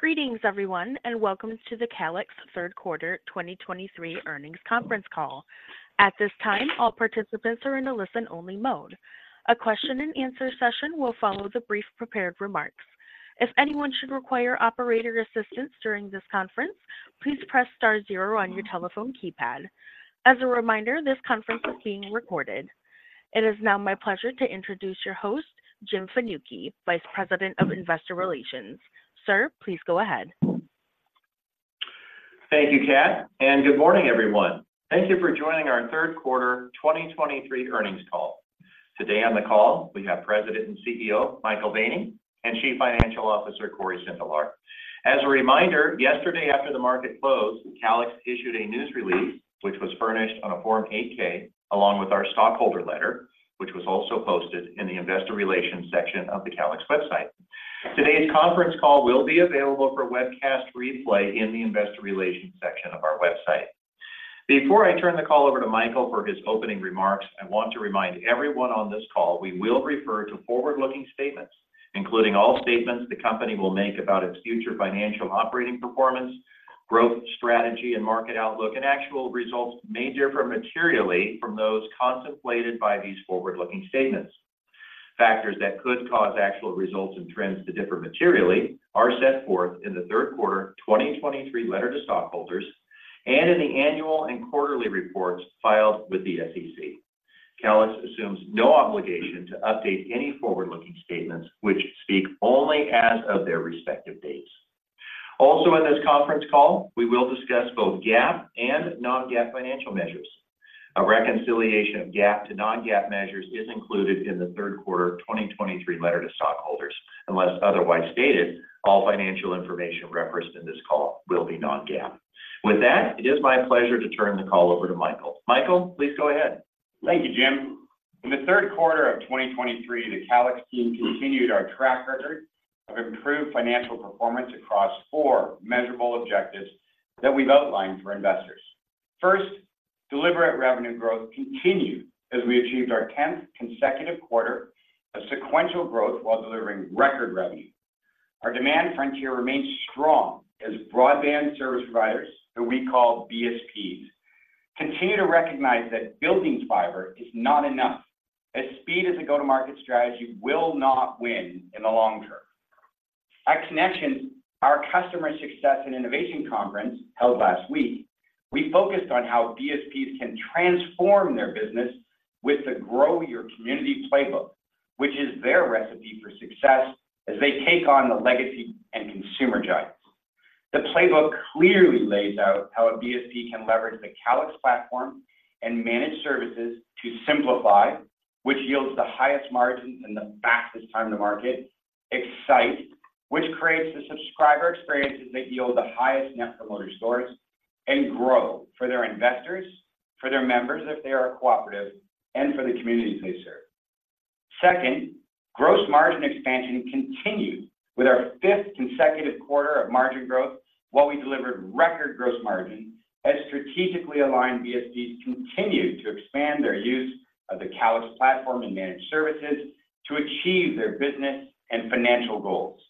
Greetings everyone, and welcome to the Calix Third Quarter 2023 Earnings Conference Call. At this time, all participants are in a listen-only mode. A question and answer session will follow the brief prepared remarks. If anyone should require operator assistance during this conference, please press star zero on your telephone keypad. As a reminder, this conference is being recorded. It is now my pleasure to introduce your host, Jim Fanucchi, Vice President of Investor Relations. Sir, please go ahead. Thank you, Kat, and good morning, everyone. Thank you for joining our Third Quarter 2023 Earnings Call. Today on the call, we have President and CEO, Michael Weening, and Chief Financial Officer, Cory Sindelar. As a reminder, yesterday after the market closed, Calix issued a news release, which was furnished on a Form 8-K, along with our stockholder letter, which was also posted in the Investor Relations section of the Calix website. Today's conference call will be available for webcast replay in the Investor Relations section of our website. Before I turn the call over to Michael for his opening remarks, I want to remind everyone on this call, we will refer to forward-looking statements, including all statements the company will make about its future financial operating performance, growth, strategy, and market outlook. Actual results may differ materially from those contemplated by these forward-looking statements. Factors that could cause actual results and trends to differ materially are set forth in the third quarter 2023 letter to stockholders and in the annual and quarterly reports filed with the SEC. Calix assumes no obligation to update any forward-looking statements which speak only as of their respective dates. Also in this conference call, we will discuss both GAAP and non-GAAP financial measures. A reconciliation of GAAP to non-GAAP measures is included in the third quarter 2023 letter to stockholders. Unless otherwise stated, all financial information referenced in this call will be non-GAAP. With that, it is my pleasure to turn the call over to Michael. Michael, please go ahead. Thank you, Jim. In the third quarter of 2023, the Calix team continued our track record of improved financial performance across four measurable objectives that we've outlined for investors. First, deliberate revenue growth continued as we achieved our 10th consecutive quarter of sequential growth while delivering record revenue. Our demand frontier remains strong as broadband service providers, who we call BSPs, continue to recognize that building fiber is not enough, as speed as a go-to-market strategy will not win in the long term. At Connections, our Customer Success and Innovation conference held last week, we focused on how BSPs can transform their business with the Grow Your Community playbook, which is their recipe for success as they take on the legacy and consumer giants. The playbook clearly lays out how a BSP can leverage the Calix platform and managed services to simplify, which yields the highest margins and the fastest time to market. Excite, which creates the subscriber experiences that yield the highest Net Promoter Scores. And grow for their investors, for their members, if they are a cooperative, and for the communities they serve. Second, gross margin expansion continued with our fifth consecutive quarter of margin growth, while we delivered record gross margin as strategically aligned BSPs continued to expand their use of the Calix platform and managed services to achieve their business and financial goals.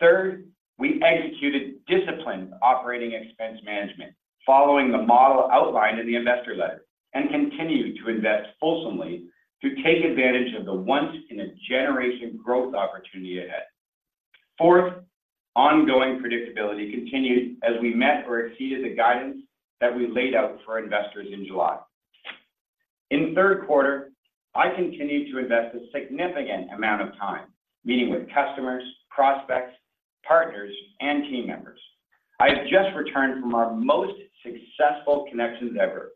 Third, we executed disciplined operating expense management following the model outlined in the investor letter, and continued to invest fulsomely to take advantage of the once-in-a-generation growth opportunity ahead. Fourth, ongoing predictability continued as we met or exceeded the guidance that we laid out for investors in July. In the third quarter, I continued to invest a significant amount of time meeting with customers, prospects, partners, and team members. I have just returned from our most successful Connections ever.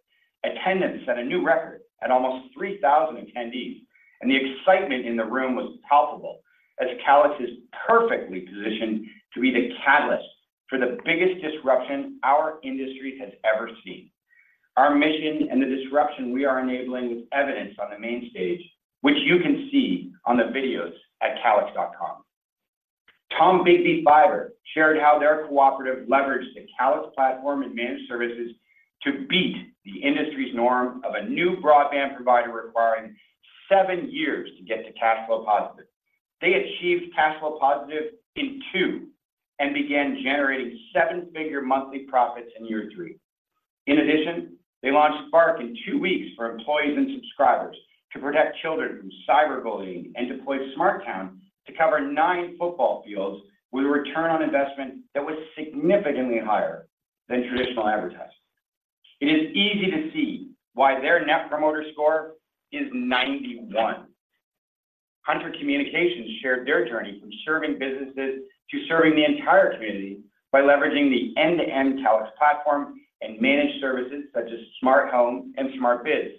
Attendance set a new record at almost 3,000 attendees, and the excitement in the room was palpable as Calix is perfectly positioned to be the catalyst for the biggest disruption our industry has ever seen. Our mission and the disruption we are enabling was evidenced on the main stage, which you can see on the videos at calix.com. Tombigbee Fiber shared how their cooperative leveraged the Calix platform and managed services to beat the industry's norm of a new broadband provider requiring seven years to get to cash flow positive. They achieved cash flow positive in two and began generating seven-figure monthly profits in year three. In addition, they launched Bark in two weeks for employees and subscribers to protect children from cyberbullying and deployed SmartTown to cover nine football fields with a return on investment that was significantly higher than traditional advertising. It is easy to see why their Net Promoter Score is 91. Hunter Communications shared their journey from serving businesses to serving the entire community by leveraging the end-to-end Calix platform and managed services such as SmartHome and SmartBiz.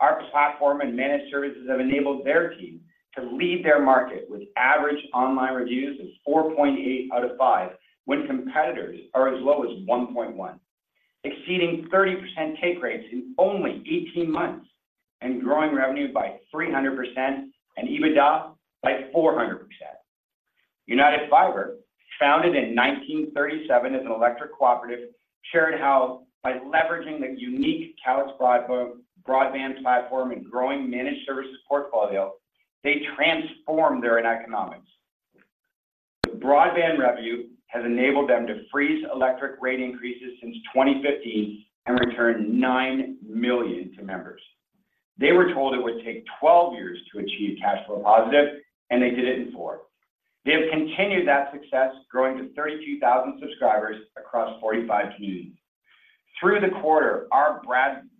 Our platform and managed services have enabled their team to lead their market, with average online reviews of 4.8 out of 5, when competitors are as low as 1.1, exceeding 30% take rates in only 18 months and growing revenue by 300% and EBITDA by 400%. United Fiber, founded in 1937 as an electric cooperative, shared how by leveraging the unique Calix Broadband Platform and growing managed services portfolio they transformed their economics. The broadband revenue has enabled them to freeze electric rate increases since 2015 and return $9 million to members. They were told it would take 12 years to achieve cash flow positive, and they did it in four. They have continued that success, growing to 32,000 subscribers across 45 communities. Through the quarter, our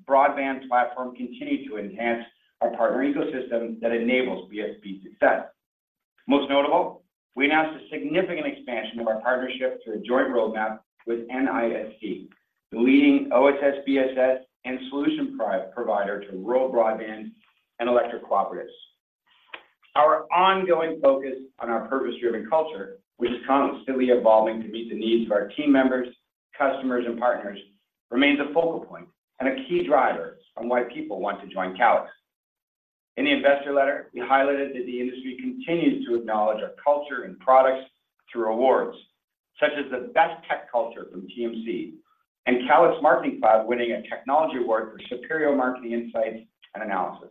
Broadband Platform continued to enhance our partner ecosystem that enables BSP success. Most notable, we announced a significant expansion of our partnership through a joint roadmap with NISC, the leading OSS/BSS and solution provider to rural broadband and electric cooperatives. Our ongoing focus on our purpose-driven culture, which is constantly evolving to meet the needs of our team members, customers, and partners, remains a focal point and a key driver on why people want to join Calix. In the investor letter, we highlighted that the industry continues to acknowledge our culture and products through awards, such as the Best Tech Culture from TMC and Calix Marketing Cloud winning a technology award for superior marketing insights and analysis.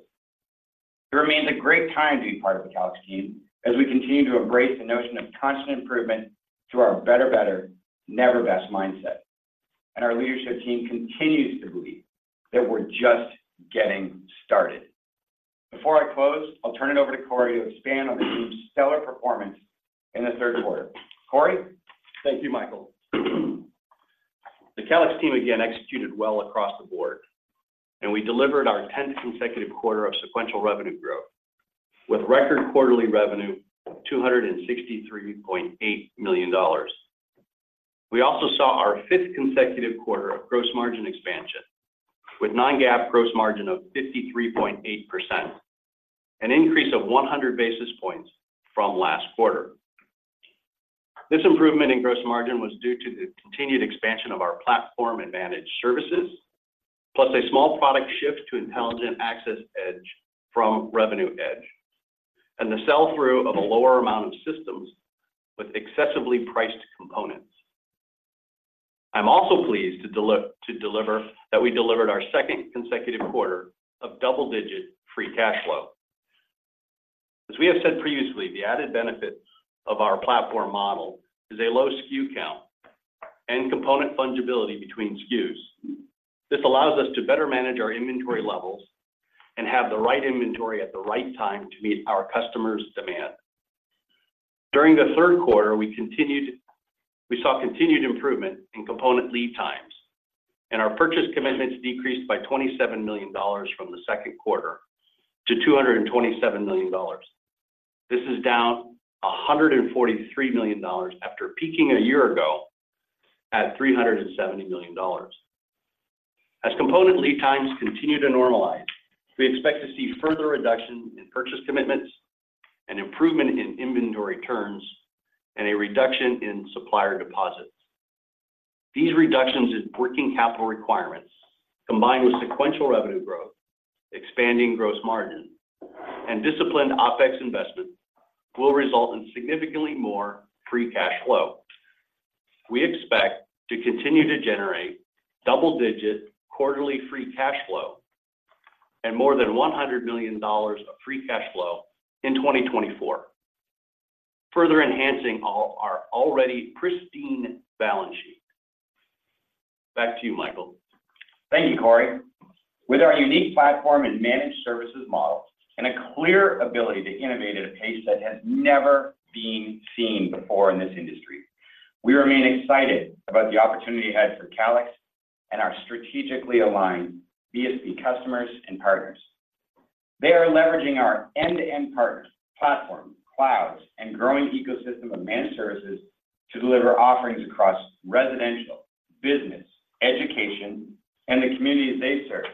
It remains a great time to be part of the Calix team as we continue to embrace the notion of constant improvement through our better, better, never best mindset. And our leadership team continues to believe that we're just getting started. Before I close, I'll turn it over to Cory to expand on the team's stellar performance in the third quarter. Cory? Thank you, Michael. The Calix team again executed well across the board, and we delivered our tenth consecutive quarter of sequential revenue growth, with record quarterly revenue of $263.8 million. We also saw our fifth consecutive quarter of gross margin expansion, with non-GAAP gross margin of 53.8%, an increase of 100 basis points from last quarter. This improvement in gross margin was due to the continued expansion of our platform and managed services, plus a small product shift to Intelligent Access EDGE from Revenue EDGE, and the sell-through of a lower amount of systems with excessively priced components. I'm also pleased to deliver that we delivered our second consecutive quarter of double-digit free cash flow. As we have said previously, the added benefit of our platform model is a low SKU count and component fungibility between SKUs. This allows us to better manage our inventory levels and have the right inventory at the right time to meet our customers' demand. During the third quarter, we saw continued improvement in component lead times, and our purchase commitments decreased by $27 million from the second quarter to $227 million. This is down $143 million after peaking a year ago at $370 million. As component lead times continue to normalize, we expect to see further reduction in purchase commitments, an improvement in inventory terms, and a reduction in supplier deposits. These reductions in working capital requirements, combined with sequential revenue growth, expanding gross margin, and disciplined OpEx investment, will result in significantly more free cash flow. We expect to continue to generate double-digit quarterly free cash flow and more than $100 million of free cash flow in 2024, further enhancing our already pristine balance sheet. Back to you, Michael. Thank you, Cory. With our unique platform and Managed Services model, and a clear ability to innovate at a pace that has never been seen before in this industry, we remain excited about the opportunity ahead for Calix and our strategically aligned VSP customers and partners. They are leveraging our end-to-end partner, platform, clouds, and growing ecosystem of managed services to deliver offerings across residential, business, education, and the communities they serve,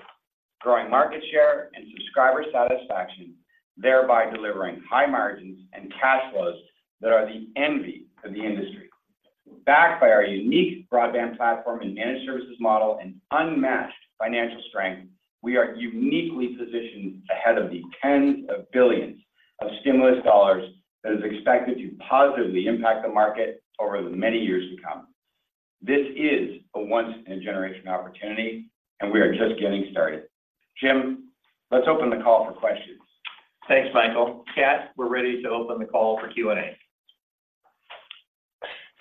growing market share and subscriber satisfaction, thereby delivering high margins and cash flows that are the envy of the industry. Backed by our unique Broadband platform and Managed Services model and unmatched financial strength, we are uniquely positioned ahead of the $10s of billions of stimulus dollars that is expected to positively impact the market over the many years to come. This is a once in a generation opportunity, and we are just getting started. Jim, let's open the call for questions. Thanks, Michael. Kat, we're ready to open the call for Q&A.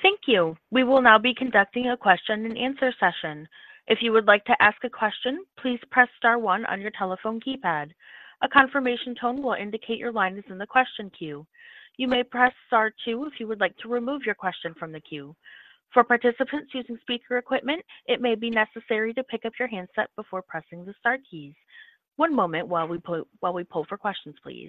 Thank you. We will now be conducting a question and answer session. If you would like to ask a question, please press star one on your telephone keypad. A confirmation tone will indicate your line is in the question queue. You may press star two if you would like to remove your question from the queue. For participants using speaker equipment, it may be necessary to pick up your handset before pressing the star keys. One moment while we poll for questions, please.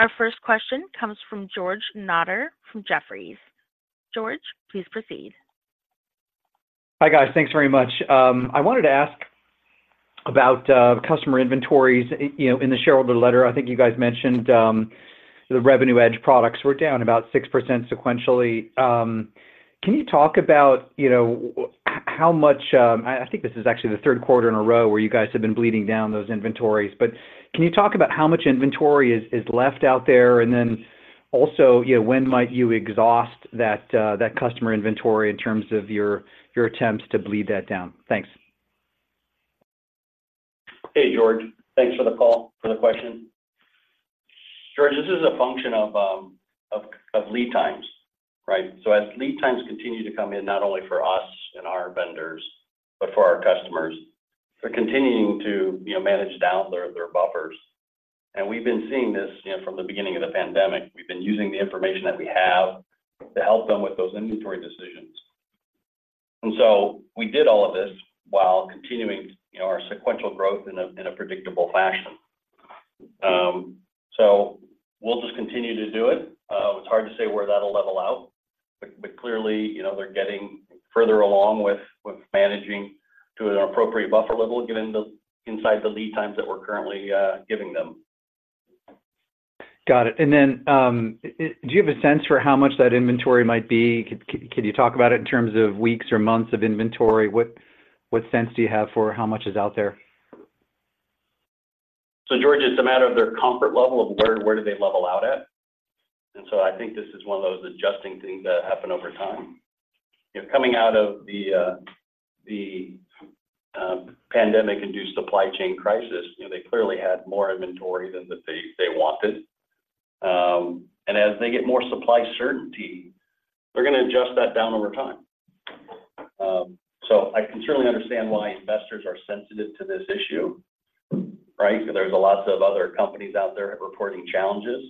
Our first question comes from George Notter, from Jefferies. George, please proceed. Hi, guys. Thanks very much. I wanted to ask about customer inventories. You know, in the shareholder letter, I think you guys mentioned the Revenue EDGE products were down about 6% sequentially. Can you talk about, you know, how much... I think this is actually the third quarter in a row where you guys have been bleeding down those inventories, but can you talk about how much inventory is left out there? And then... Also, you know, when might you exhaust that customer inventory in terms of your attempts to bleed that down? Thanks. Hey, George. Thanks for the call, for the question. George, this is a function of, of, of lead times, right? So as lead times continue to come in, not only for us and our vendors, but for our customers, they're continuing to, you know, manage down their, their buffers. And we've been seeing this, you know, from the beginning of the pandemic. We've been using the information that we have to help them with those inventory decisions. And so we did all of this while continuing, you know, our sequential growth in a, in a predictable fashion. So we'll just continue to do it. It's hard to say where that'll level out, but, but clearly, you know, they're getting further along with, with managing to an appropriate buffer level, given inside the lead times that we're currently giving them. Got it. And then, do you have a sense for how much that inventory might be? Can you talk about it in terms of weeks or months of inventory? What sense do you have for how much is out there? So George, it's a matter of their comfort level of where, where do they level out at? And so I think this is one of those adjusting things that happen over time. You know, coming out of the, the, pandemic-induced supply chain crisis, you know, they clearly had more inventory than that they, they wanted. And as they get more supply certainty, they're going to adjust that down over time. So I can certainly understand why investors are sensitive to this issue, right? Because there's a lots of other companies out there reporting challenges,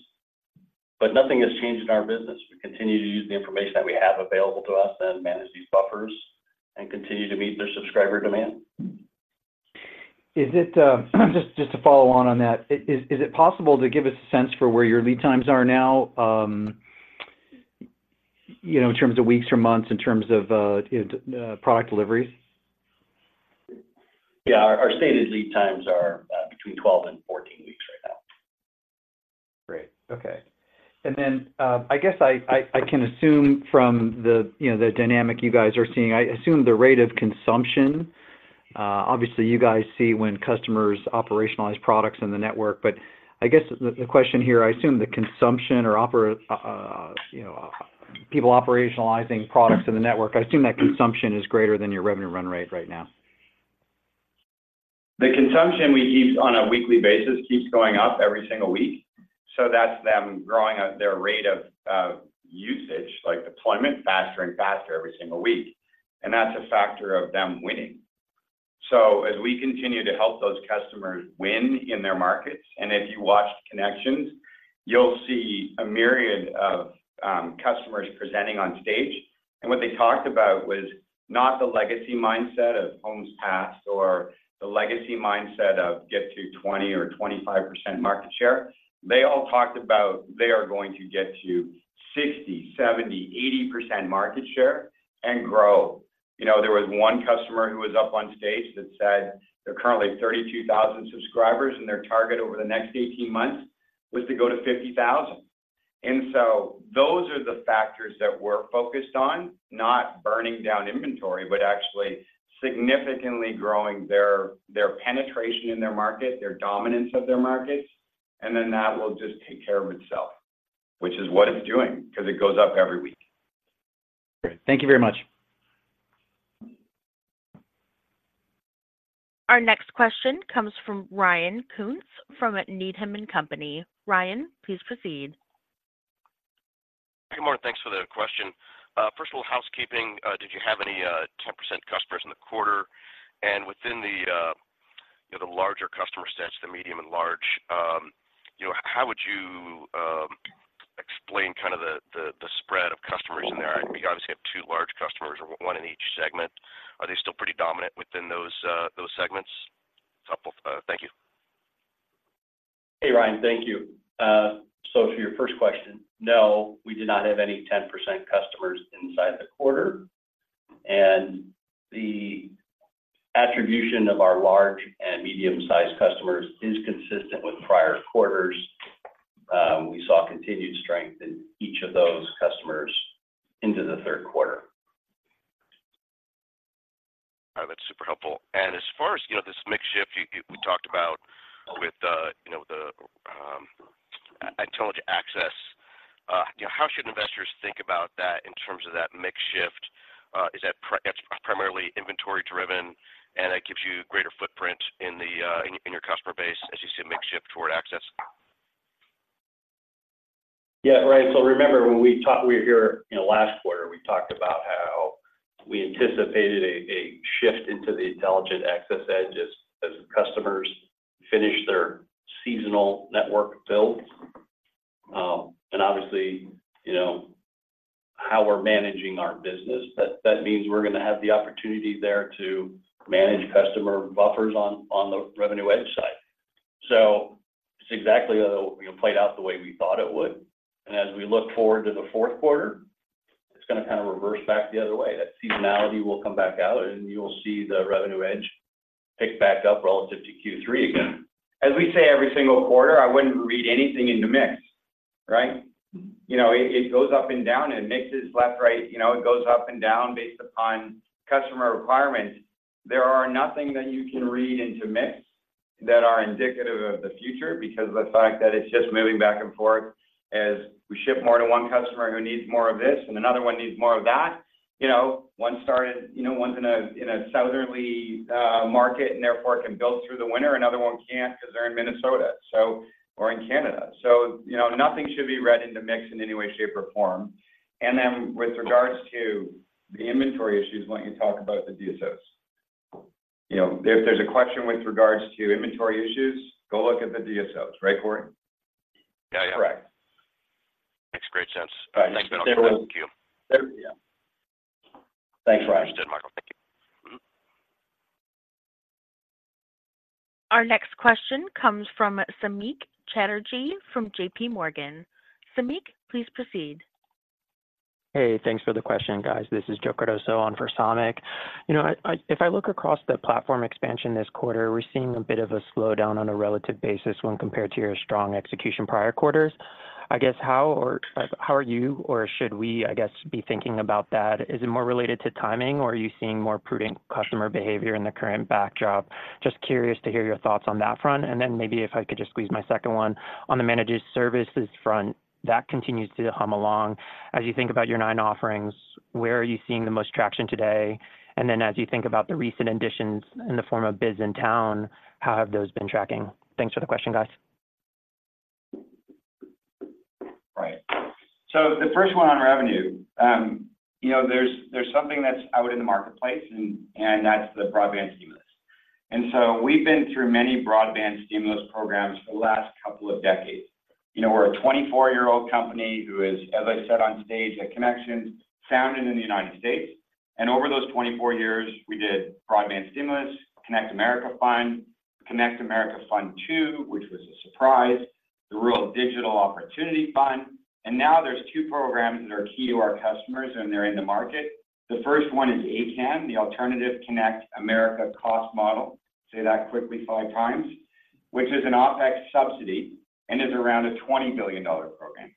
but nothing has changed in our business. We continue to use the information that we have available to us and manage these buffers and continue to meet their subscriber demand. Is it just to follow on that, is it possible to give us a sense for where your lead times are now, you know, in terms of weeks or months, in terms of product deliveries? Yeah. Our stated lead times are between 12 and 14 weeks right now. Great. Okay. And then, I guess I can assume from the, you know, the dynamic you guys are seeing, I assume the rate of consumption, obviously, you guys see when customers operationalize products in the network. But I guess the question here, I assume the consumption or, you know, people operationalizing products in the network, I assume that consumption is greater than your revenue run rate right now. The consumption we keep on a weekly basis keeps going up every single week. So that's them growing up their rate of usage, like deployment, faster and faster every single week. And that's a factor of them winning. So as we continue to help those customers win in their markets, and if you watched Connections, you'll see a myriad of customers presenting on stage. And what they talked about was not the legacy mindset of homes passed or the legacy mindset of get to 20% or 25% market share. They all talked about they are going to get to 60, 70, 80% market share and grow. You know, there was one customer who was up on stage that said they're currently at 32,000 subscribers, and their target over the next 18 months was to go to 50,000. And so those are the factors that we're focused on, not burning down inventory, but actually significantly growing their penetration in their market, their dominance of their markets, and then that will just take care of itself, which is what it's doing, because it goes up every week. Great. Thank you very much. Our next question comes from Ryan Koontz, from Needham and Company. Ryan, please proceed. Good morning, thanks for the question. First of all, housekeeping, did you have any 10% customers in the quarter? And within the, you know, the larger customer sets, the medium and large, you know, how would you explain kind of the spread of customers in there? You obviously have two large customers, one in each segment. Are they still pretty dominant within those segments? So, thank you. Hey, Ryan, thank you. For your first question, no, we did not have any 10% customers inside the quarter, and the attribution of our large and medium-sized customers is consistent with prior quarters. We saw continued strength in each of those customers into the third quarter. All right. That's super helpful. And as far as, you know, this mix shift we talked about with the, you know, the Intelligent Access, you know, how should investors think about that in terms of that mix shift? Is that primarily inventory driven, and it gives you greater footprint in your customer base as you see a mix shift toward access? Yeah, right. So remember, when we talked, we were here, you know, last quarter, we talked about how we anticipated a shift into the Intelligent Access EDGE as customers finish their seasonal network builds. And obviously, you know, how we're managing our business, that means we're going to have the opportunity there to manage customer buffers on the Revenue EDGE side. So it's exactly, you know, played out the way we thought it would. And as we look forward to the fourth quarter, it's going to kind of reverse back the other way. That seasonality will come back out, and you'll see the Revenue EDGE pick back up relative to Q3 again. As we say, every single quarter, I wouldn't read anything into mix, right? You know, it goes up and down, and it mixes left, right. You know, it goes up and down based upon customer requirements. There are nothing that you can read into mix that are indicative of the future because of the fact that it's just moving back and forth as we ship more to one customer who needs more of this, and another one needs more of that. You know, one started, you know, one's in a southerly market, and therefore, it can build through the winter, another one can't because they're in Minnesota, so, or in Canada. So, you know, nothing should be read into mix in any way, shape, or form. And then with regards to the inventory issues, why don't you talk about the DSOs? You know, if there's a question with regards to inventory issues, go look at the DSOs, right, Cory? Yeah, yeah. Correct. Makes great sense. All right, thank you. Yeah. Thanks, Ryan. Understood, Michael. Thank you. Our next question comes from Samik Chatterjee from JP Morgan. Samik, please proceed. Hey, thanks for the question, guys. This is Joe Cardoso on for Samik. You know, if I look across the platform expansion this quarter, we're seeing a bit of a slowdown on a relative basis when compared to your strong execution prior quarters. I guess, how are you or should we, I guess, be thinking about that? Is it more related to timing, or are you seeing more prudent customer behavior in the current backdrop? Just curious to hear your thoughts on that front. And then maybe if I could just squeeze my second one on the managed services front, that continues to hum along. As you think about your nine offerings, where are you seeing the most traction today? And then as you think about the recent additions in the form of SmartBiz and SmartTown, how have those been tracking? Thanks for the question, guys. Right. So the first one on revenue, you know, there's something that's out in the marketplace and that's the broadband stimulus. And so we've been through many broadband stimulus programs for the last couple of decades. You know, we're a 24-year-old company who is, as I said, on stage, at Connections, founded in the United States. And over those 24 years, we did broadband stimulus, Connect America Fund, Connect America Fund Two, which was a surprise, the Rural Digital Opportunity Fund. And now there's two programs that are key to our customers, and they're in the market. The first one is A-CAM, the Alternative Connect America Cost Model. Say that quickly five times, which is an OpEx subsidy and is around a $20 billion program.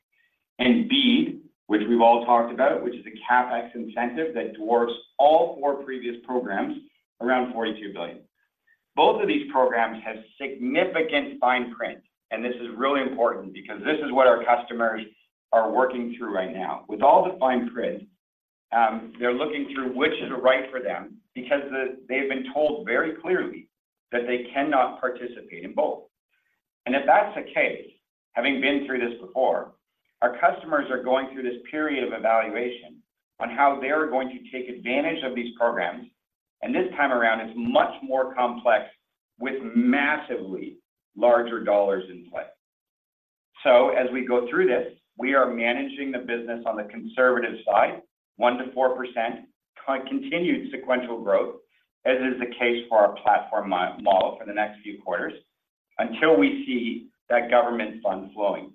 And BEAD, which we've all talked about, which is a CapEx incentive that dwarfs all four previous programs, around $42 billion. Both of these programs have significant fine print, and this is really important because this is what our customers are working through right now. With all the fine print, they're looking through which is right for them because they've been told very clearly that they cannot participate in both. If that's the case, having been through this before, our customers are going through this period of evaluation on how they are going to take advantage of these programs, and this time around, it's much more complex with massively larger dollars in play. As we go through this, we are managing the business on the conservative side, 1%-4% continued sequential growth, as is the case for our platform model for the next few quarters, until we see that government fund flowing.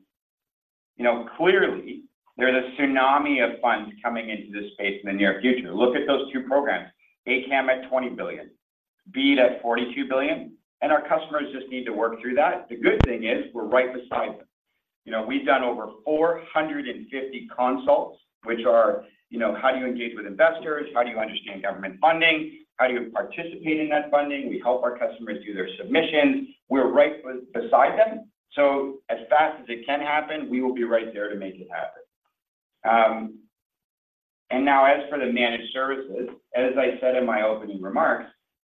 You know, clearly, there's a tsunami of funds coming into this space in the near future. Look at those two programs, A-CAM at $20 billion, BEAD at $42 billion, and our customers just need to work through that. The good thing is we're right beside them. You know, we've done over 450 consults, which are, you know, how do you engage with investors? How do you understand government funding? How do you participate in that funding? We help our customers do their submissions. We're right beside them, so as fast as it can happen, we will be right there to make it happen. And now, as for the managed services, as I said in my opening remarks,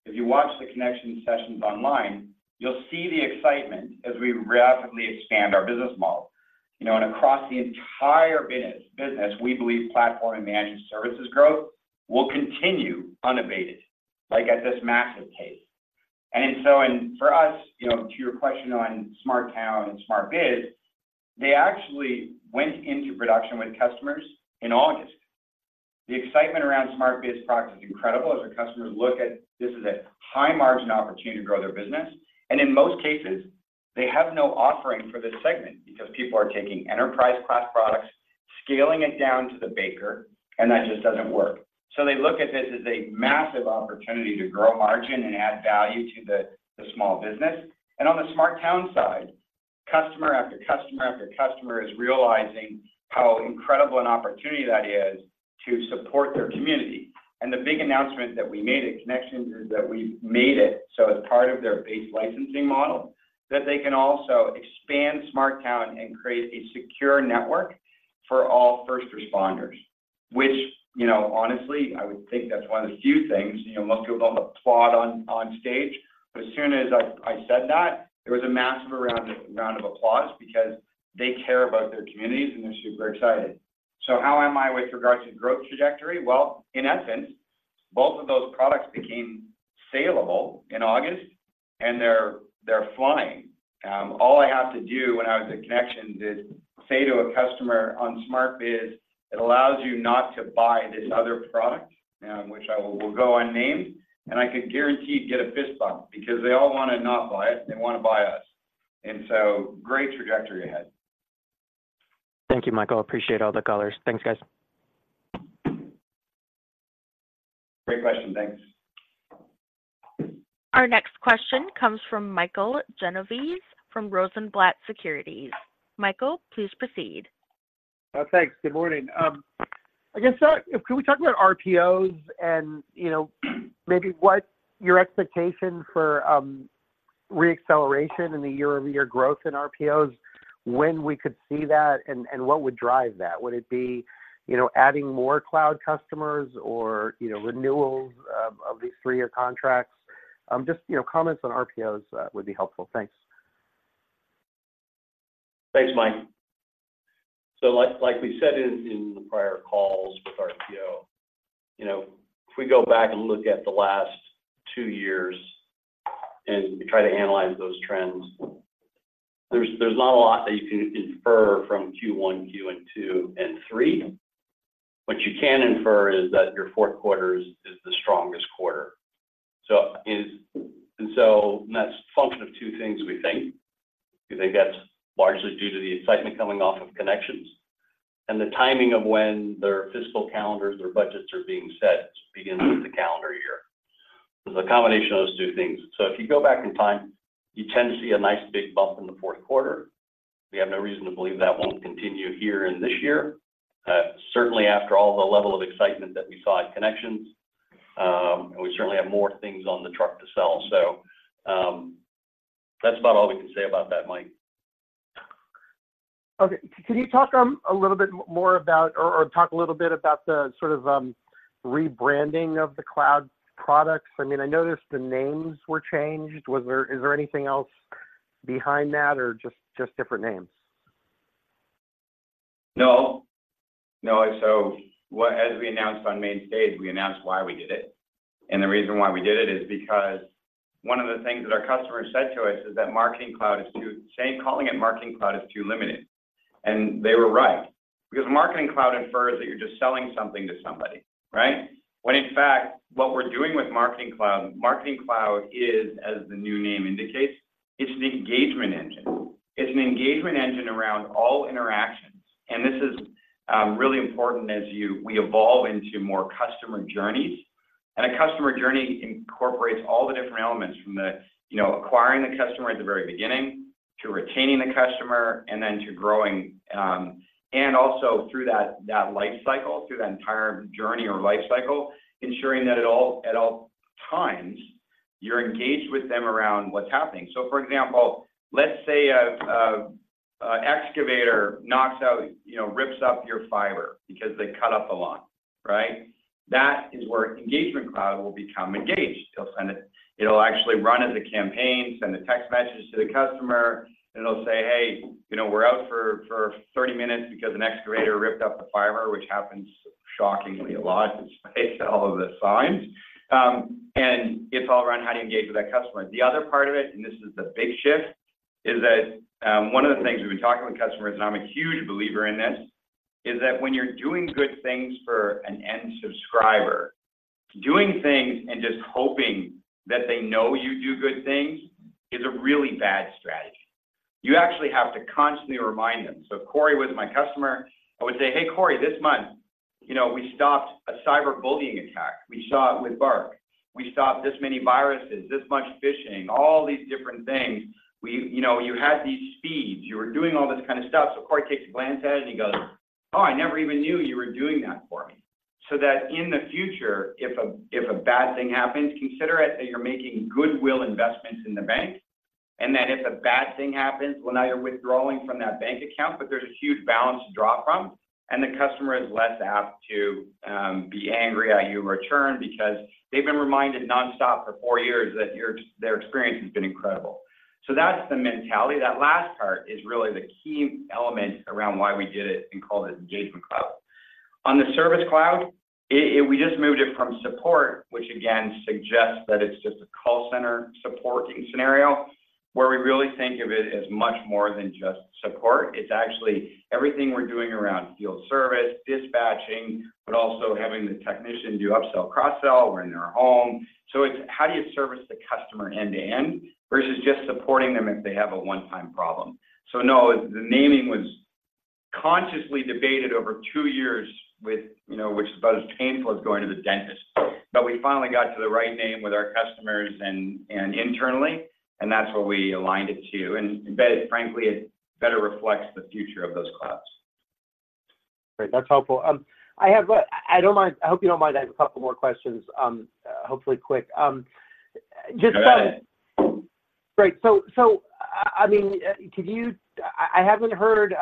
if you watch the Connections sessions online, you'll see the excitement as we rapidly expand our business model. You know, and across the entire business, we believe platform and managed services growth will continue unabated, like at this massive pace. And so, for us, you know, to your question on SmartTown and SmartBiz, they actually went into production with customers in August. The excitement around SmartBiz products is incredible as our customers look at this as a high-margin opportunity to grow their business. And in most cases, they have no offering for this segment because people are taking enterprise-class products, scaling it down to the SMB, and that just doesn't work. So they look at this as a massive opportunity to grow margin and add value to the small business. And on the SmartTown side, customer after customer after customer is realizing how incredible an opportunity that is to support their community. The big announcement that we made at Connections is that we made it so as part of their base licensing model, that they can also expand SmartTown and create a secure network for all first responders, which, you know, honestly, I would think that's one of the few things, you know, most people don't applaud on stage. But as soon as I said that, there was a massive round of applause because they care about their communities, and they're super excited. So how am I with regards to growth trajectory? Well, in essence, both of those products became saleable in August, and they're flying. All I have to do when I was at Connections is say to a customer on SmartBiz, it allows you not to buy this other product, which I will go unnamed, and I could guarantee you'd get a fist bump because they all want to not buy it, they want to buy us. So great trajectory ahead. Thank you, Michael. I appreciate all the colors. Thanks, guys. Great question. Thanks. Our next question comes from Michael Genovese, from Rosenblatt Securities. Michael, please proceed. Thanks. Good morning. I guess, so can we talk about RPOs, and, you know, maybe what your expectation for, re-acceleration in the year-over-year growth in RPOs, when we could see that, and what would drive that? Would it be, you know, adding more cloud customers or, you know, renewals, of these three-year contracts? Just, you know, comments on RPOs, would be helpful. Thanks. Thanks, Mike. So like we said in the prior calls with RPO, you know, if we go back and look at the last two years and try to analyze those trends, there's not a lot that you can infer from Q1, Q2, and Q3. What you can infer is that your fourth quarter is the strongest quarter. So... and so that's a function of two things, we think. We think that's largely due to the excitement coming off of Connections and the timing of when their fiscal calendars, their budgets are being set, begins with the calendar year. There's a combination of those two things. So if you go back in time, you tend to see a nice big bump in the fourth quarter. We have no reason to believe that won't continue here in this year. Certainly, after all the level of excitement that we saw at Connections, and we certainly have more things on the truck to sell. So, that's about all we can say about that, Mike. Okay. Can you talk a little bit more about, or talk a little bit about the sort of rebranding of the cloud products? I mean, I noticed the names were changed. Was there, is there anything else behind that or just different names? No. No. So what, as we announced on main stage, we announced why we did it. And the reason why we did it is because one of the things that our customers said to us is that Marketing Cloud is too, saying, calling it Marketing Cloud is too limited. And they were right, because Marketing Cloud infers that you're just selling something to somebody, right? When in fact, what we're doing with Marketing Cloud, Marketing Cloud is, as the new name indicates, it's an engagement engine. It's an engagement engine around all interactions, and this is really important as we evolve into more customer journeys. And a customer journey incorporates all the different elements from the, you know, acquiring the customer at the very beginning, to retaining the customer, and then to growing. Also through that life cycle, through that entire journey or life cycle, ensuring that at all times, you're engaged with them around what's happening. So for example, let's say an excavator knocks out, you know, rips up your fiber because they cut up a line, right? That is where Engagement Cloud will become engaged. It'll send a—It'll actually run as a campaign, send a text message to the customer, and it'll say, "Hey, you know, we're out for 30 minutes because an excavator ripped up the fiber," which happens shockingly a lot, despite all of the signs. And it's all around how do you engage with that customer. The other part of it, and this is the big shift, is that, one of the things we've been talking with customers, and I'm a huge believer in this, is that when you're doing good things for an end subscriber, doing things and just hoping that they know you do good things, is a really bad strategy. You actually have to constantly remind them. So if Corey was my customer, I would say, "Hey, Corey, this month, you know, we stopped a cyberbullying attack. We saw it with Bark. We stopped this many viruses, this much phishing, all these different things. We, you know, you had these speeds. You were doing all this kind of stuff." So Cory takes a glance at it, and he goes, "Oh, I never even knew you were doing that for me." So that in the future, if a bad thing happens, consider it that you're making goodwill investments in the bank, and that if a bad thing happens, well, now you're withdrawing from that bank account, but there's a huge balance to draw from, and the customer is less apt to be angry at you return because they've been reminded nonstop for four years that your, their experience has been incredible. So that's the mentality. That last part is really the key element around why we did it and called it Engagement Cloud. On the Service Cloud, we just moved it from support, which again suggests that it's just a call center supporting scenario, where we really think of it as much more than just support. It's actually everything we're doing around field service, dispatching, but also having the technician do upsell, cross-sell, we're in their home. So it's how do you service the customer end to end, versus just supporting them if they have a one-time problem. So no, the naming was consciously debated over two years with, you know, which is about as painful as going to the dentist. But we finally got to the right name with our customers and internally, and that's what we aligned it to, and, but frankly, it better reflects the future of those clouds. Great, that's helpful. I hope you don't mind, I have a couple more questions, hopefully quick. Just- Go ahead. Great. So, I mean, could you—I haven't heard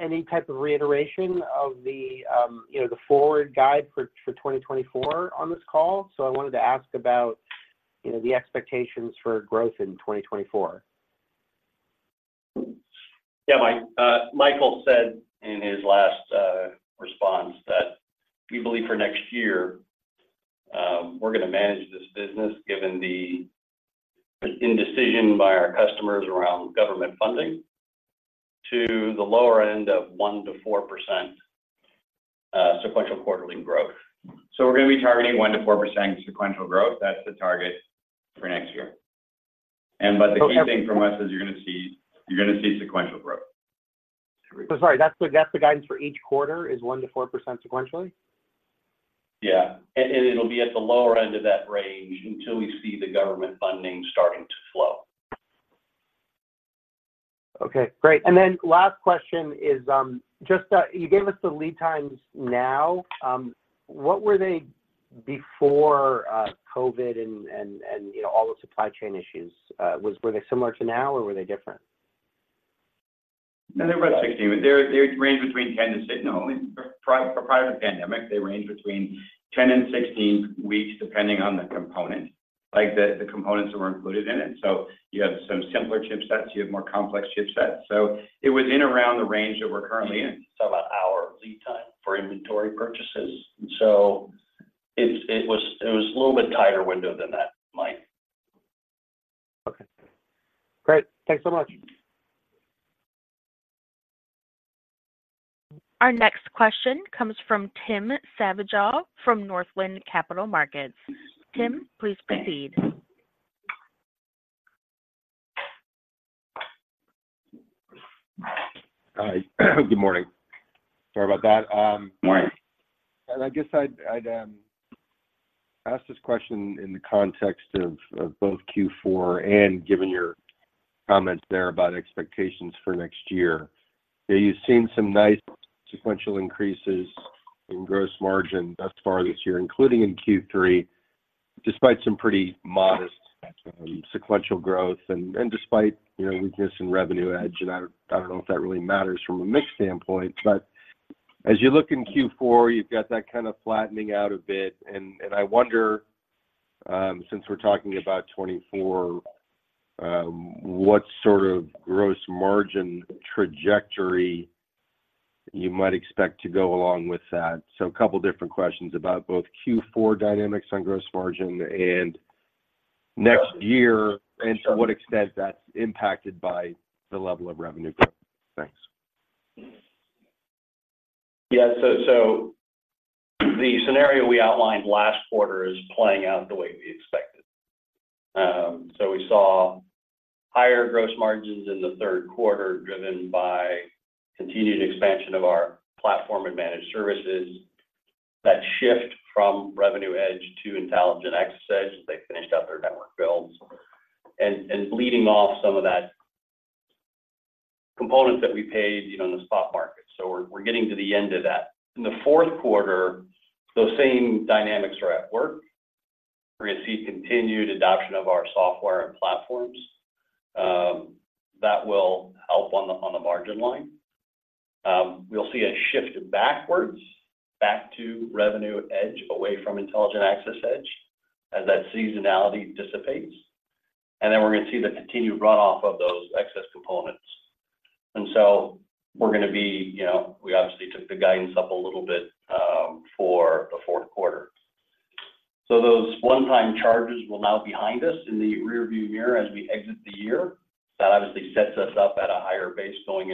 any type of reiteration of the, you know, the forward guide for 2024 on this call. So I wanted to ask about, you know, the expectations for growth in 2024. Yeah, Mike, Michael said in his last response that we believe for next year, we're going to manage this business, given the indecision by our customers around government funding, to the lower end of 1%-4% sequential quarterly growth. So we're going to be targeting 1%-4% sequential growth. That's the target for next year. And but the key thing from us is you're going to see, you're going to see sequential growth. So sorry, that's the, that's the guidance for each quarter, is 1%-4% sequentially? Yeah, and, and it'll be at the lower end of that range until we see the government funding starting to flow. Okay, great. And then last question is, just, you gave us the lead times now. What were they before, COVID and, you know, all the supply chain issues? Were they similar to now, or were they different? No, they were about 16. They, they range between 10 and— no, prior, prior to the pandemic, they ranged between 10 and 16 weeks, depending on the component, like the, the components that were included in it. So you have some simpler chipsets, you have more complex chipsets. So it was in around the range that we're currently in, so about an hour lead time for inventory purchases. And so it, it was, it was a little bit tighter window than that, Mike. Okay. Great. Thanks so much. Our next question comes from Tim Savageaux, from Northland Capital Markets. Tim, please proceed. Hi, good morning. Sorry about that. Morning. And I guess I'd ask this question in the context of both Q4 and given your comments there about expectations for next year. You've seen some nice sequential increases in gross margin thus far this year, including in Q3, despite some pretty modest sequential growth, and despite, you know, weakness in Revenue EDGE. And I don't know if that really matters from a mix standpoint, but as you look in Q4, you've got that kind of flattening out a bit. And I wonder, since we're talking about 2024, what sort of gross margin trajectory you might expect to go along with that? So a couple different questions about both Q4 dynamics on gross margin and next year, and to what extent that's impacted by the level of revenue growth. Thanks. Yeah, so the scenario we outlined last quarter is playing out the way we expected. So we saw higher gross margins in the third quarter, driven by continued expansion of our platform and managed services. That shift from Revenue EDGE to Intelligent Access EDGE, as they finished up their network builds. And leading off some of that components that we paid, you know, in the spot market. So we're getting to the end of that. In the fourth quarter, those same dynamics are at work. We're going to see continued adoption of our software and platforms. That will help on the margin line. We'll see a shift backwards, back to Revenue EDGE, away from Intelligent Access EDGE as that seasonality dissipates. And then we're going to see the continued runoff of those excess components. And so we're gonna be, you know, we obviously took the guidance up a little bit, for the fourth quarter. So those one-time charges will now be behind us in the rearview mirror as we exit the year. That obviously sets us up at a higher base going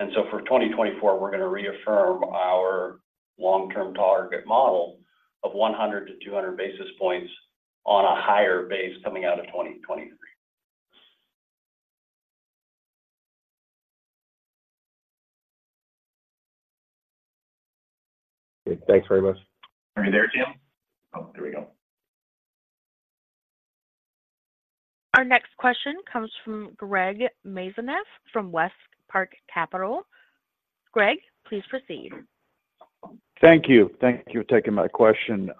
into 2024. And so for 2024, we're going to reaffirm our long-term target model of 100-200 basis points on a higher base coming out of 2023. Thanks very much. Are you there, Tim? Oh, there we go. Our next question comes from Greg Mesniaeff, from Westpark Capital. Greg, please proceed. Thank you. Thank you for taking my question.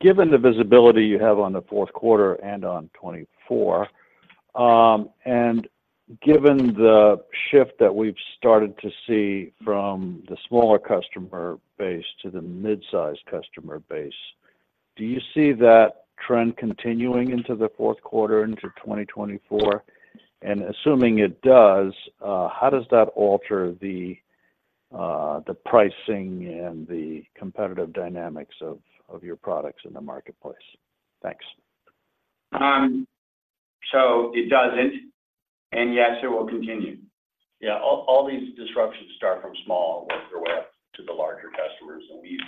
Given the visibility you have on the fourth quarter and on 2024, and given the shift that we've started to see from the smaller customer base to the mid-size customer base, do you see that trend continuing into the fourth quarter into 2024? And assuming it does, how does that alter the the pricing and the competitive dynamics of your products in the marketplace? Thanks. So it doesn't, and yes, it will continue. Yeah, all, all these disruptions start from small and work their way up to the larger customers, and we've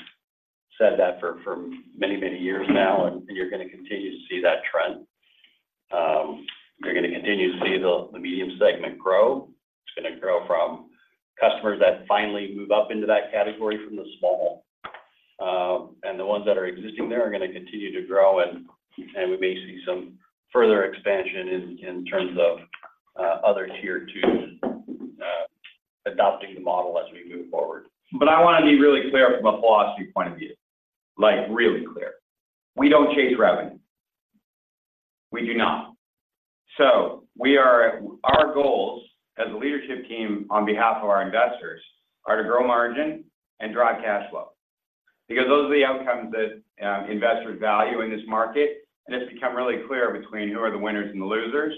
said that for, for many, many years now, and you're going to continue to see that trend. You're going to continue to see the, the medium segment grow. It's going to grow from customers that finally move up into that category from the small. And the ones that are existing there are going to continue to grow and, and we may see some further expansion in, in terms of, other Tier 2s, adopting the model as we move forward. But I want to be really clear from a philosophy point of view, like, really clear. We don't chase revenue. We do not. Our goals as a leadership team on behalf of our investors are to grow margin and drive cash flow, because those are the outcomes that investors value in this market. And it's become really clear between who are the winners and the losers,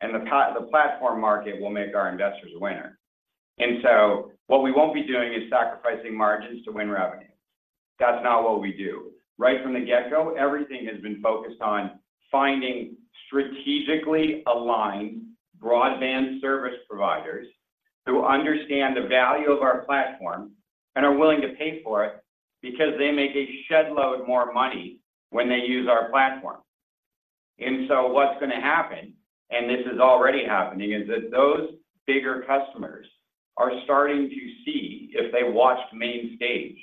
and the platform market will make our investors a winner. And so what we won't be doing is sacrificing margins to win revenue. That's not what we do. Right from the get-go, everything has been focused on finding strategically aligned broadband service providers who understand the value of our platform and are willing to pay for it, because they make a shed load more money when they use our platform. And so what's going to happen, and this is already happening, is that those bigger customers are starting to see if they watched main stage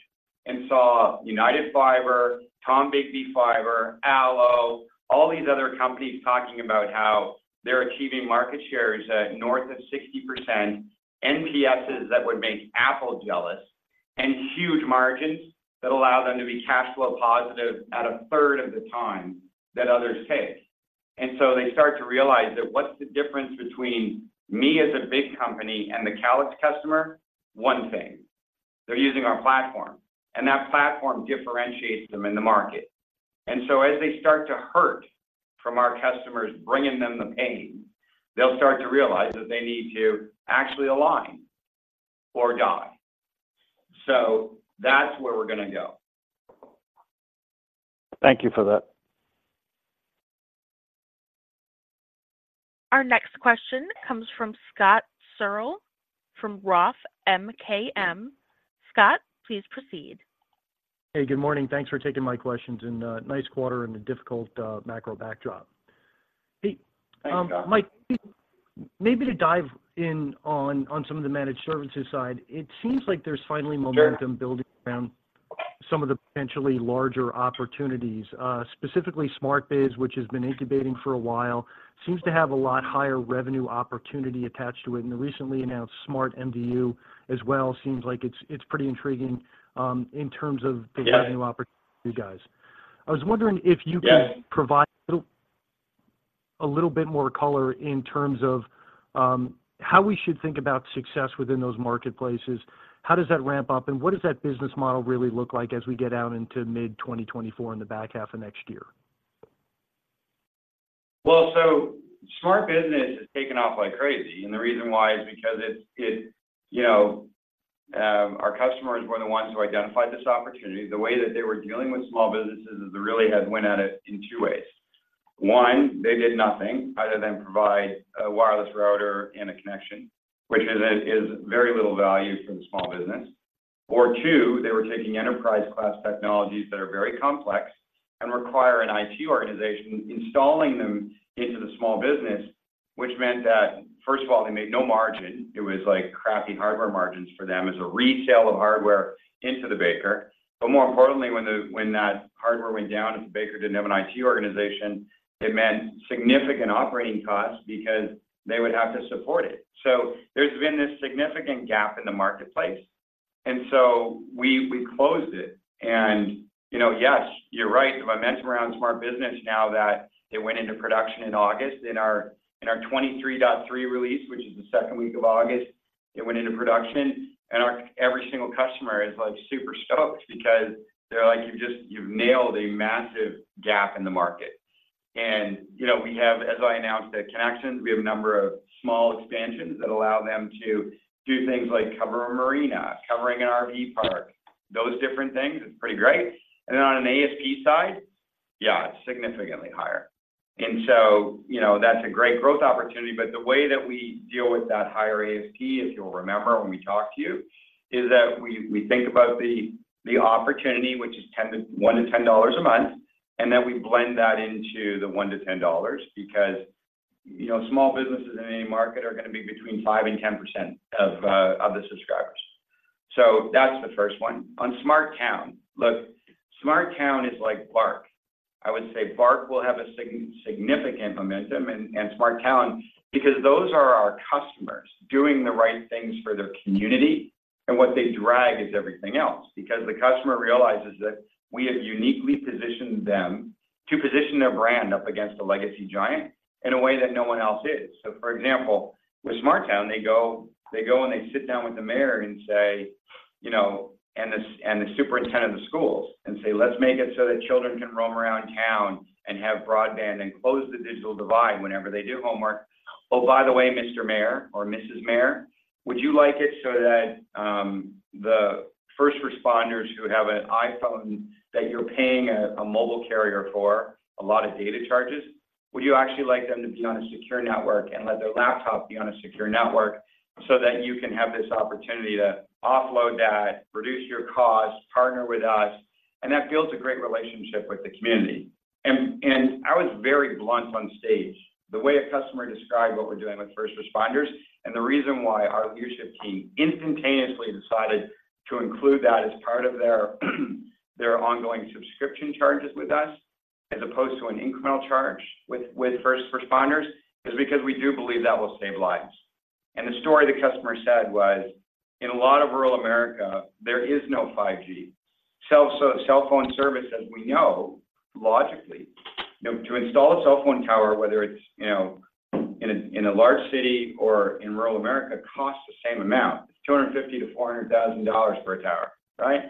and saw United Fiber, Tombigbee Fiber, Allo, all these other companies talking about how they're achieving market shares at north of 60%, NPSs that would make Apple jealous, and huge margins that allow them to be cash flow positive at a third of the time that others take. And so they start to realize that what's the difference between me as a big company and the Calix customer? One thing, they're using our platform, and that platform differentiates them in the market. And so as they start to hurt from our customers bringing them the pain, they'll start to realize that they need to actually align or die. So that's where we're gonna go. Thank you for that. Our next question comes from Scott Searle from Roth MKM. Scott, please proceed. Hey, good morning. Thanks for taking my questions, and nice quarter in a difficult macro backdrop. Hey, Mike, maybe to dive in on some of the managed services side, it seems like there's finally momentum- Sure. building around some of the potentially larger opportunities, specifically SmartBiz, which has been incubating for a while. Seems to have a lot higher revenue opportunity attached to it, and the recently announced SmartMDU as well, seems like it's pretty intriguing in terms of- Yeah. The value opportunity guys. I was wondering if you could- Yeah -provide a little, a little bit more color in terms of how we should think about success within those marketplaces. How does that ramp up, and what does that business model really look like as we get out into mid-2024 in the back half of next year? Well, so SmartBiz has taken off like crazy, and the reason why is because it's, it, you know, our customers were the ones who identified this opportunity. The way that they were dealing with small businesses is they really had went at it in two ways. One, they did nothing other than provide a wireless router and a connection, which is very little value for the small business. Or two, they were taking enterprise-class technologies that are very complex and require an IT organization installing them into the small business, which meant that, first of all, they made no margin. It was like crappy hardware margins for them as a resale of hardware into the baker. But more importantly, when that hardware went down and the baker didn't have an IT organization, it meant significant operating costs because they would have to support it. So there's been this significant gap in the marketplace, and so we closed it. And, you know, yes, you're right. The momentum around SmartBiz now that it went into production in August, in our 23.3 release, which is the second week of August, it went into production, and every single customer is like super stoked because they're like, "You've just—you've nailed a massive gap in the market." And, you know, we have, as I announced at Connections, a number of small expansions that allow them to do things like cover a marina, covering an RV park, those different things. It's pretty great. And then on an ASP side, yeah, it's significantly higher. So, you know, that's a great growth opportunity, but the way that we deal with that higher ASP, if you'll remember when we talked to you, is that we think about the opportunity, which is $1-$10 a month, and then we blend that into the $1-$10 because, you know, small businesses in any market are gonna be between 5% and 10% of the subscribers. So that's the first one. On SmartTown, look, SmartTown is like Bark. I would say Bark will have a significant momentum and SmartTown because those are our customers doing the right things for their community, and what they drive is everything else. Because the customer realizes that we have uniquely positioned them to position their brand up against a legacy giant in a way that no one else is. So for example, with SmartTown, they go and they sit down with the mayor and say, you know, and the superintendent of the schools, and say, "Let's make it so that children can roam around town and have broadband and close the digital divide whenever they do homework. Oh, by the way, Mr. Mayor or Mrs. Mayor, would you like it so that the first responders who have an iPhone, that you're paying a mobile carrier for a lot of data charges, would you actually like them to be on a secure network and let their laptop be on a secure network so that you can have this opportunity to offload that, reduce your cost, partner with us?" And that builds a great relationship with the community. And I was very blunt on stage. The way a customer described what we're doing with first responders, and the reason why our leadership team instantaneously decided to include that as part of their ongoing subscription charges with us, as opposed to an incremental charge with first responders, is because we do believe that will save lives. The story the customer said was, in a lot of rural America, there is no 5G cell, so cell phone service, as we know, logically, you know, to install a cell phone tower, whether it's, you know, in a large city or in rural America, costs the same amount, $250,000-$400,000 per tower. Right?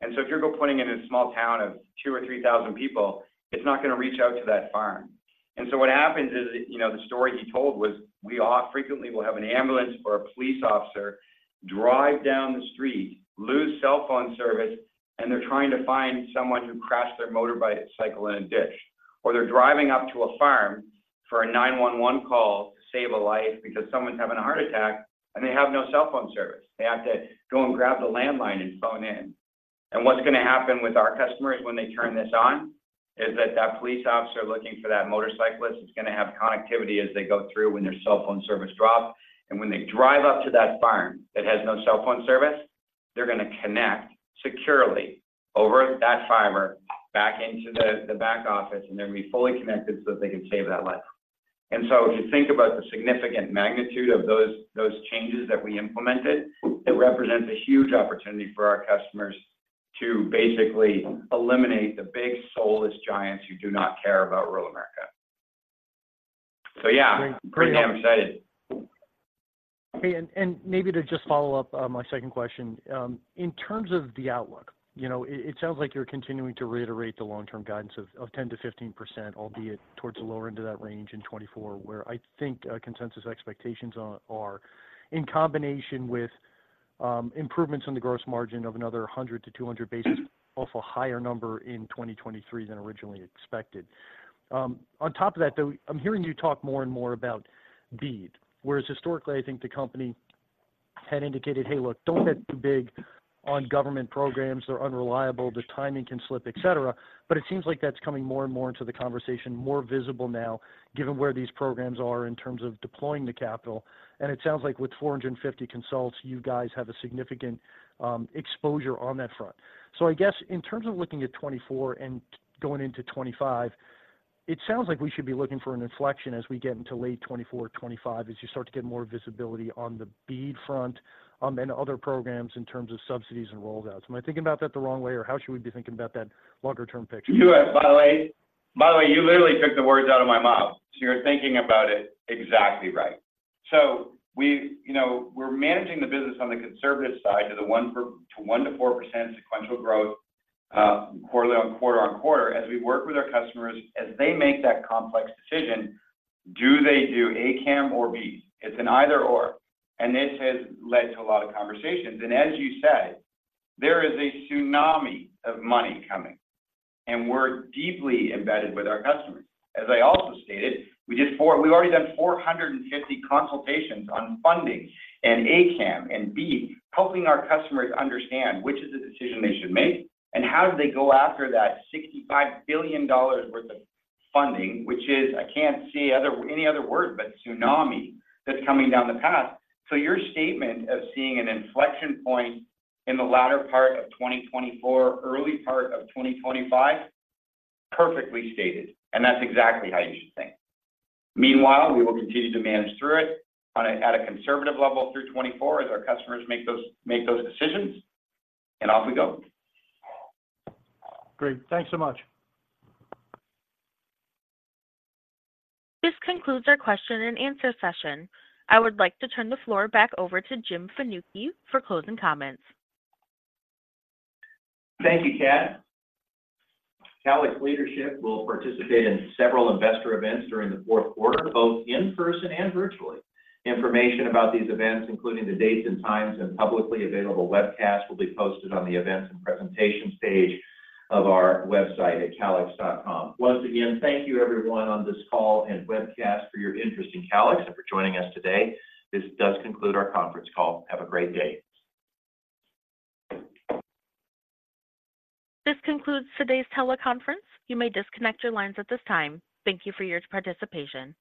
And so if you're go putting in a small town of 2,000 or 3,000 people, it's not gonna reach out to that farm. And so what happens is, you know, the story he told was, we all frequently will have an ambulance or a police officer drive down the street, lose cell phone service, and they're trying to find someone who crashed their motorcycle in a ditch, or they're driving up to a farm for a 911 call to save a life because someone's having a heart attack, and they have no cell phone service. They have to go and grab the landline and phone in... What's going to happen with our customers when they turn this on, is that that police officer looking for that motorcyclist is going to have connectivity as they go through when their cell phone service drops. When they drive up to that farm that has no cell phone service, they're going to connect securely over that fiber back into the back office, and they're going to be fully connected so that they can save that life. So if you think about the significant magnitude of those changes that we implemented, it represents a huge opportunity for our customers to basically eliminate the big soulless giants who do not care about rural America. Yeah, pretty damn excited. Maybe to just follow up on my second question, in terms of the outlook, you know, it sounds like you're continuing to reiterate the long-term guidance of 10%-15%, albeit towards the lower end of that range in 2024, where I think consensus expectations are. In combination with improvements on the gross margin of another 100-200 basis points off a higher number in 2023 than originally expected. On top of that, though, I'm hearing you talk more and more about BEAD, whereas historically, I think the company had indicated, "Hey, look, don't get too big on government programs. They're unreliable, the timing can slip, et cetera." But it seems like that's coming more and more into the conversation, more visible now, given where these programs are in terms of deploying the capital. It sounds like with 450 consults, you guys have a significant exposure on that front. I guess in terms of looking at 2024 and going into 2025, it sounds like we should be looking for an inflection as we get into late 2024, 2025, as you start to get more visibility on the BEAD front, and other programs in terms of subsidies and rollouts. Am I thinking about that the wrong way, or how should we be thinking about that longer-term picture? You, by the way, by the way, you literally took the words out of my mouth. So you're thinking about it exactly right. So we, you know, we're managing the business on the conservative side to 1%-4% sequential growth quarterly quarter-over-quarter. As we work with our customers, as they make that complex decision, do they do A-CAM or BEAD? It's an either/or, and this has led to a lot of conversations. And as you said, there is a tsunami of money coming, and we're deeply embedded with our customers. As I also stated, we've already done 450 consultations on funding and A-CAM and BEAD, helping our customers understand which is the decision they should make and how do they go after that $65 billion worth of funding, which is, I can't see any other word, but tsunami that's coming down the path. So your statement of seeing an inflection point in the latter part of 2024, early part of 2025, perfectly stated, and that's exactly how you should think. Meanwhile, we will continue to manage through it on a, at a conservative level through 2024 as our customers make those decisions, and off we go. Great. Thanks so much. This concludes our question and answer session. I would like to turn the floor back over to Jim Fanucchi for closing comments. Thank you, Kat. Calix leadership will participate in several investor events during the fourth quarter, both in person and virtually. Information about these events, including the dates and times and publicly available webcasts, will be posted on the Events and Presentations page of our website at calix.com. Once again, thank you everyone on this call and webcast for your interest in Calix and for joining us today. This does conclude our conference call. Have a great day. This concludes today's teleconference. You may disconnect your lines at this time. Thank you for your participation.